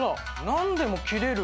「なんでも切れる！